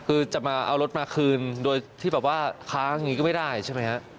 คือจะเอารถมาคืนโดยที่ค้างอย่างนี้ก็ไม่ได้ใช่ไหมครับ